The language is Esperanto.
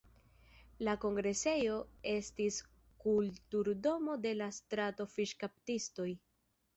La kongresejo estis Kulturdomo de la Strato Fiŝkaptistoj.